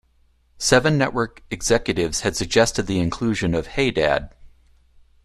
Seven Network executives had suggested the inclusion of Hey Dad..!